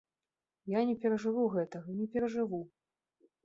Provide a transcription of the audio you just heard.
Я не перажыву гэтага, не перажыву.